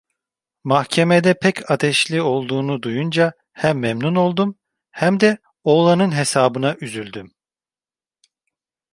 Mahkemede pek ateşli olduğunu duyunca hem memnun oldum, hem de oğlanın hesabına üzüldüm.